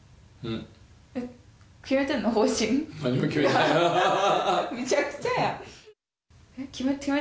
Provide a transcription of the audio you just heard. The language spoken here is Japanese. むちゃくちゃや。